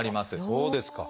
そうですか！